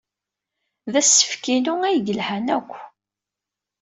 D asefk-inu ay yelhan akk!